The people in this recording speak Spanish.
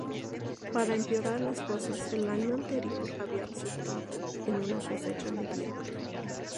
Para empeorar las cosas el año anterior había resultado en una cosecha mediocre.